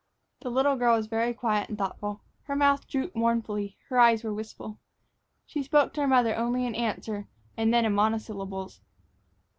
The little girl was very quiet and thoughtful. Her mouth drooped mournfully, her eyes were wistful. She spoke to her mother only in answer, and then in monosyllables.